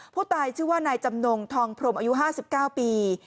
ผู้ตายชื่อว่านายจำนงทองพรมอายุ๕๙ปี